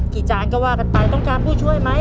จานก็ว่ากันไปต้องการผู้ช่วยไหม